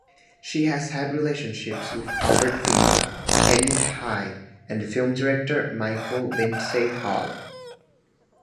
She has had relationships with Albert Finney, Kenneth Haigh, and film director Michael Lindsay-Hogg.